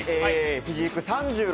フィジーク３６。